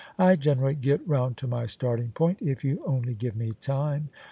I generally get roimd to my starting point, if you only give me time."